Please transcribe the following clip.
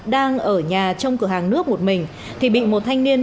đang ở nhà trong cửa hàng nước một mình thì bị một thanh niên